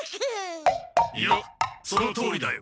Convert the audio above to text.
いやそのとおりだよ！